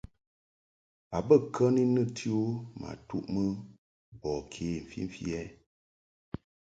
A bə kə ni nɨti u ma ni ntuʼmɨ bɔ ke mfimfi ɛ ?